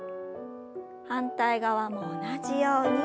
反対側も同じように。